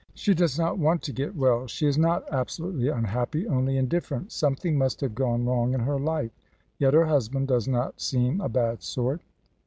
"She does not want to get well. She is not absolutely unhappy only indifferent. Something must have gone wrong in her life. Yet her husband does not seem a bad sort."